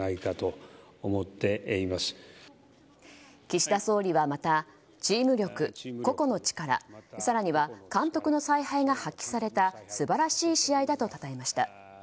岸田総理はまたチーム力、個々の力更には監督の采配が発揮された素晴らしい試合だとたたえました。